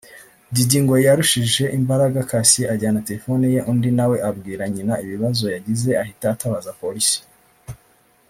Diddy ngo yarushije imbaraga Cassie ajyana telefone ye undi na we abwira nyina ibibazo yagize ahita atabaza polisi